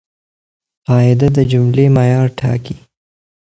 قاعده د جملې معیار ټاکي.